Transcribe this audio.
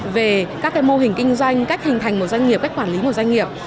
về các mô hình kinh doanh cách hình thành một doanh nghiệp cách quản lý một doanh nghiệp